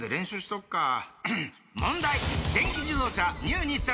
問題！